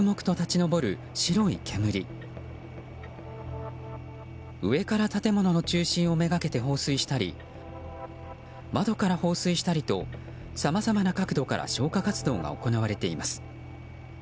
上から建物の中心をめがけて放水したり窓から放水したりとさまざまな角度から消火活動が行われています。